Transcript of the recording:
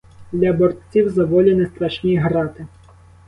Для борців за волю не страшні грати.